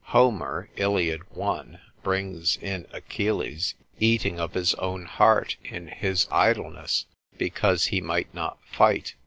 Homer, Iliad. 1, brings in Achilles eating of his own heart in his idleness, because he might not fight.